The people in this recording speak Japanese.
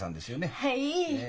はい。